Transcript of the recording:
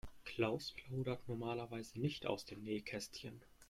Klaus plaudert normalerweise nicht aus dem Nähkästchen.